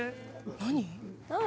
・何？